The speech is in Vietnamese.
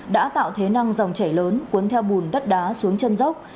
đã tạo thế năng dòng chảy lớn cuốn theo bùn đất đá xuống chân dốc